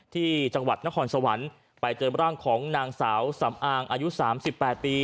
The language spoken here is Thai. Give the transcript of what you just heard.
ที่จังหวัดนครสวรรค์ไปเจอร่างของนางสาวสำอางอายุ๓๘ปี